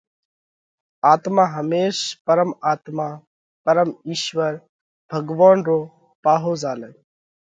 آتما ھيمش پرم آتما (پرم اِيشوَر، ڀڳوونَ) رو پاھو زھالئھ